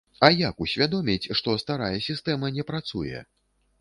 А як усвядоміць, што старая сістэма не працуе?